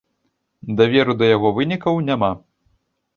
Даверу да яго вынікаў няма.